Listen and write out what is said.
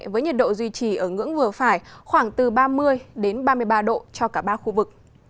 với nhiệt độ duy trì ở ngưỡng vừa phải khoảng từ ba mươi đến ba mươi ba độ cho cả ba khu vực